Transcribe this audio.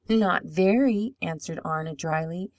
"Not very," answered Arna, dryly.